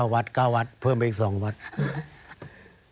๙วัตต์๙วัตต์เพิ่มไปอีก๒วัตต์